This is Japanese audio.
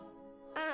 うん！